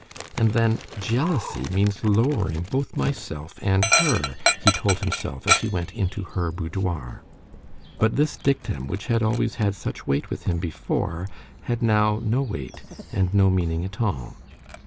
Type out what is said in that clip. And then, jealousy means lowering both myself and her," he told himself as he went into her boudoir; but this dictum, which had always had such weight with him before, had now no weight and no meaning at all.